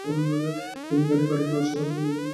তিনি গাড়ির কাঠামো নকশা করার জন্য এগুলো ব্যবহার করেছিলেন।